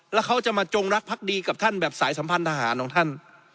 แล้วเขาจะมาจงรักพักดีกับท่านแบบสายสัมพันธหารของท่าน